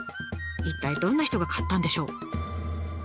一体どんな人が買ったんでしょう？